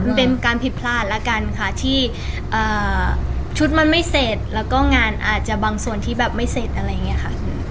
มันเป็นความผิดพลาดที่ชุดมันไม่เสร็จแล้วก็งานอาจจะบังส่วนที่แบบไม่เสร็จ